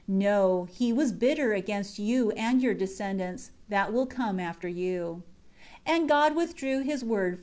No, he was bitter against you and your descendants, that will come after you." 8 And God withdrew His Word form them.